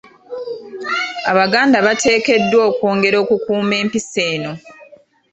Abaganda bateekeddwa okwongera okukuuma empisa eno.